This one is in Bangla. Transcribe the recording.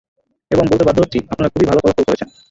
এবং বলতে বাধ্য হচ্ছি, আপনারা খুবই ভালো ফলাফল করেছেন।